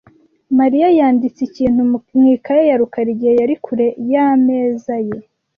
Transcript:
Mariya yanditse ikintu mu ikaye ya rukara igihe yari kure y'ameza ye .